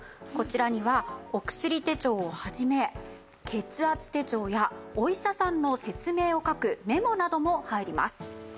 こちらにはお薬手帳を始め血圧手帳やお医者さんの説明を書くメモなども入ります。